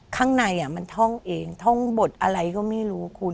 ข้างในมันท่องเองท่องบทอะไรก็ไม่รู้คุณ